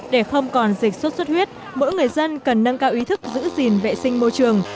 để không còn dịch xuất xuất huyết mỗi người dân cần nâng cao ý thức giữ gìn vệ sinh môi trường